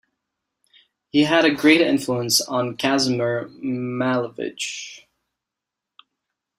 He had a great influence on Kazimir Malevich.